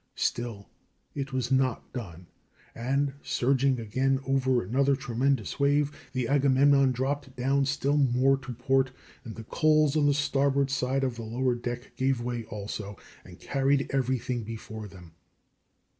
Still it was not done, and, surging again over another tremendous wave, the Agamemnon dropped down still more to port, and the coals on the starboard side of the lower deck gave way also, and carried everything before them.